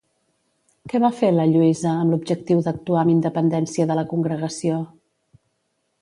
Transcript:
Què va fer la Lluïsa amb l'objectiu d'actuar amb independència de la congregació?